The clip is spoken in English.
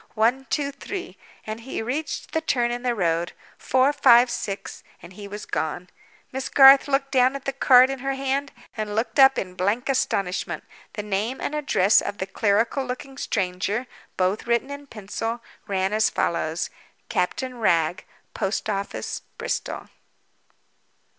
One, two, three—and he reached the turn in the road. Four, five, six—and he was gone. Miss Garth looked down at the card in her hand, and looked up again in blank astonishment. The name and address of the clerical looking stranger (both written in pencil) ran as follows: _Captain Wragge. Post office, Bristol.